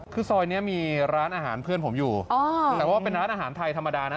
คือซอยนี้มีร้านอาหารเพื่อนผมอยู่แต่ว่าเป็นร้านอาหารไทยธรรมดานะ